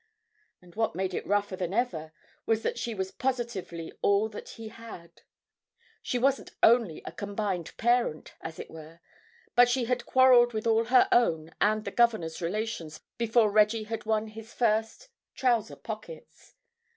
And what made it rougher than ever was that she was positively all that he had. She wasn't only a combined parent, as it were, but she had quarrelled with all her own and the governor's relations before Reggie had won his first trouser pockets.